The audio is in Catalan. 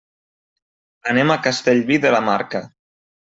Anem a Castellví de la Marca.